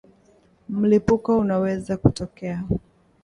Mlipuko unaweza kutokea